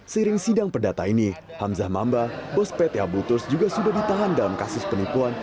seiring sidang perdata ini hamzah mamba bos pt abu turs juga sudah ditahan dalam kasus penipuan